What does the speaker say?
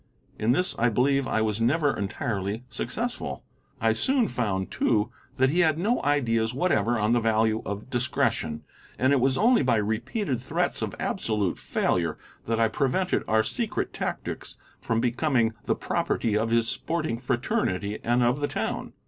In this I believe I was never entirely successful. I soon found, too, that he had no ideas whatever on the value of discretion, and it was only by repeated threats of absolute failure that I prevented our secret tactics from becoming the property of his sporting fraternity and of the town.